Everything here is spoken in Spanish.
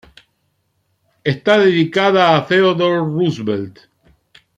Está dedicada a Theodore Roosevelt.